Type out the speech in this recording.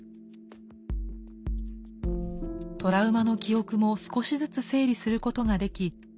トラウマの記憶も少しずつ整理することができ